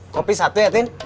kopi satu ya tin